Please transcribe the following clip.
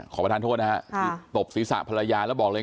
ประธานโทษนะฮะคือตบศีรษะภรรยาแล้วบอกเลย